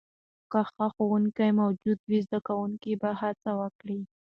که ښه ښوونکې موجود وي، زده کوونکي به هڅه وکړي.